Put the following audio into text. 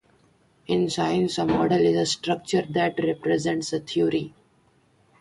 In science, a model is a structure that represents a theory.